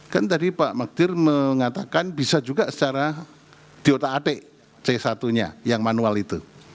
kan tadi pak magdir mengatakan bisa juga secara biota atik c satu nya yang manual itu